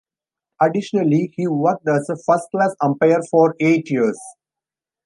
Additionally he worked as a first class umpire for eight years.